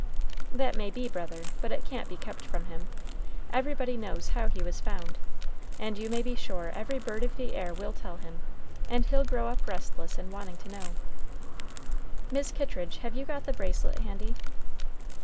"That may be, brother, but it can't be kept from him. Everybody knows how he was found, and you may be sure every bird of the air will tell him, and he'll grow up restless and wanting to know. Mis' Kittridge, have you got the bracelet handy?"